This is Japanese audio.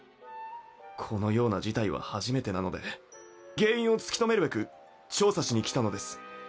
このような事態は初めてなので原因を突き止めるべく調査しに来たのです。